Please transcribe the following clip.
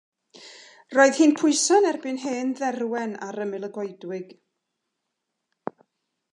Roedd hi'n pwyso yn erbyn hen dderwen ar ymyl y goedwig.